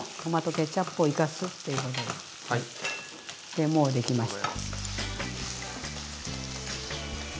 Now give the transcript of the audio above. でもうできました。